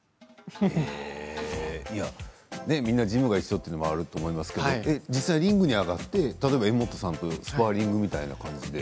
みんなジムが一緒というのもあると思いますが実際にリングに上がって例えば柄本さんとスパーリングみたいな感じで？